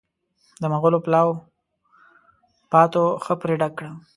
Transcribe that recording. د مغلو پلاو پاتو ښه پرې ډک یم.